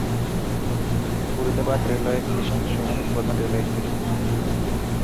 Faridabad railway station শহরের প্রধান railway station.